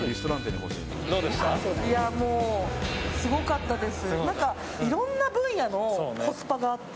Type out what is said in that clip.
いやもうすごかったです。